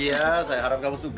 ayah saya harap kamu suka